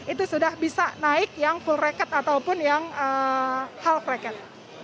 itu sudah bisa naik yang full record ataupun yang health recket